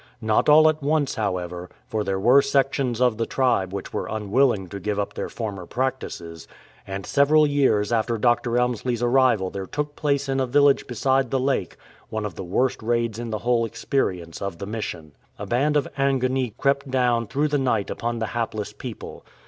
Not all at once, however, for there were sections of the tribe which were unwilling to give up their former practices, and several years after Dr. Elmslie's arrival there took place in a village beside the lake one of the worst raids in the whole experience of the Mission. A band of Angoni crept down through the night upon the hapless people.